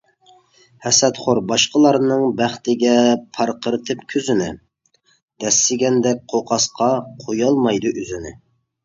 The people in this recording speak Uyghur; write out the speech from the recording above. ھەسەتخور باشقىلارنىڭ بەختىگە پارقىرىتىپ كۆزىنى، دەسسىگەندەك قوقاسقا قويالمايدۇ ئۆزىنى.